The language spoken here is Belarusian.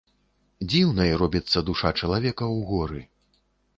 Дзіўнай робіцца душа чалавека ў горы.